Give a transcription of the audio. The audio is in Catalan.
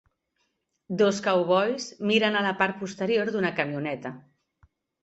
Dos "cowboys" miren a la part posterior d'una camioneta.